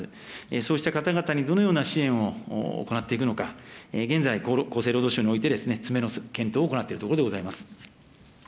そうした方々にどのような支援を行っていくのか、現在、厚生労働省において詰めの検討を行っているところでございます。